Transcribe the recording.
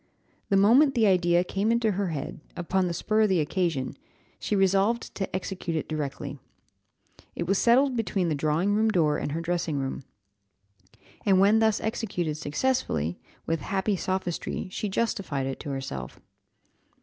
The moment the idea came into her head, upon the spur of the occasion, she resolved to execute it directly. It was settled between the drawing room door and her dressing room. And when thus executed successfully, with happy sophistry she justified it to herself.